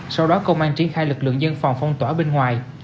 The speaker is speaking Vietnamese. sau đó công an triển khai lực lượng dân phòng phong tỏa bên ngoài